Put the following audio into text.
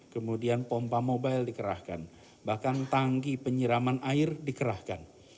kemudian pompa mobile dikerahkan bahkan tangki penyiraman air dikerahkan